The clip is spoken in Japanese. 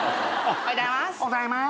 おはようございます。